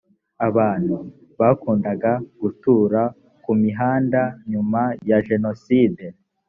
abantu bakundaga gutura ku mihanda nyuma ya jenoside